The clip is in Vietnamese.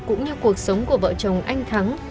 cũng như cuộc sống của vợ chồng anh thắng